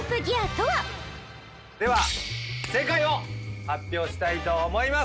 さあでは正解を発表したいと思います